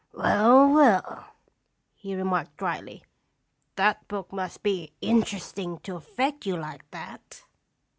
"Well, well," he remarked dryly, "that book must be interesting to affect you like that!"